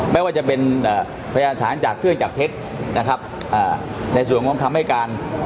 ไม่ว่าจะเป็นพยานฐานจากเครื่องจับเท็จนะครับในส่วนของคำให้การ